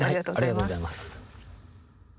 ありがとうございます。